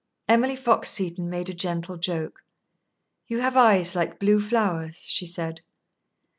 Emily Fox Seton made a gentle joke. "You have eyes like blue flowers," she said.